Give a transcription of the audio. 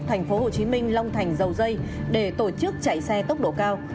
tp hcm long thành dầu dây để tổ chức chạy xe tốc độ cao